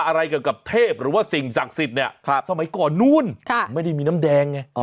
อะไรเกี่ยวกับเทพหรือว่าสิ่งศักดิ์สิทธิ์เนี่ยสมัยก่อนนู้นไม่ได้มีน้ำแดงไง